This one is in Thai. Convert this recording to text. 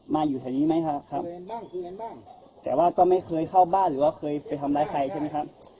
อยู่แถวนี้ไหมครับครับแต่ว่าก็ไม่เคยเข้าบ้านหรือว่าเคยไปทำร้ายใครใช่ไหมครับ